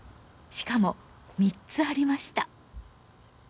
しかも３つありました。